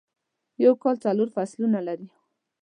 یو کال څلور فصلونه لری